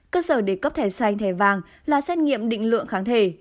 cơ sở để cấp thẻ xanh thẻ vàng là xét nghiệm định lượng kháng thể